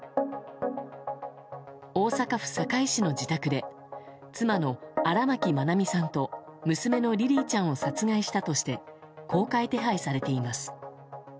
大阪府堺市の自宅で妻の荒牧愛美さんと娘のリリィちゃんを殺害したとして公開手配されています。